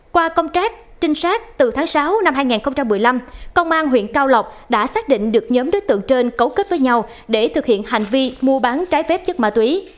qua công trác trinh sát từ tháng sáu năm hai nghìn một mươi năm công an huyện cao lộc đã xác định được nhóm đối tượng trên cấu kết với nhau để thực hiện hành vi mua bán trái phép chất ma túy